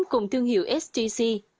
cùng thương hiệu sjcm